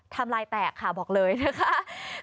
ทำลายแตกค่ะบอกเลยนะคะ